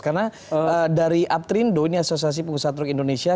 karena dari aptrindo ini asosiasi pengusaha truk indonesia